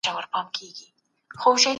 کوم درمل یوازي د لنډمهاله ارامتیا لپاره دي؟